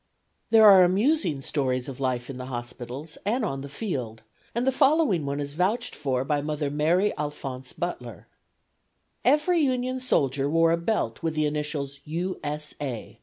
There are amusing stories of life in the hospitals, and on the field, and the following one is vouched for by Mather M. Alphonse Butler: "Every Union soldier wore a belt with the initials 'U. S. A.